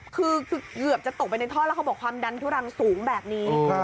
คือเกือบจะตกไปในท่อแล้วเขาบอกความดันทุรังสูงแบบนี้